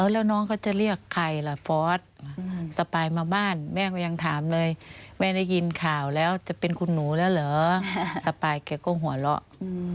แล้วน้องเขาจะเรียกใครล่ะฟอร์สสปายมาบ้านแม่ก็ยังถามเลยแม่ได้ยินข่าวแล้วจะเป็นคุณหนูแล้วเหรอสปายแกก็หัวเราะ